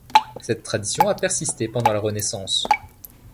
Cette tradition a persisté pendant la Renaissance.